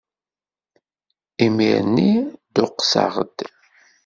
Imir-nni dduqseɣ-d!